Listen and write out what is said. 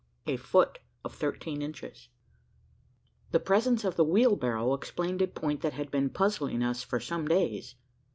A FOOT OF THIRTEEN INCHES. The presence of the wheelbarrow explained a point that had been puzzling us for some days.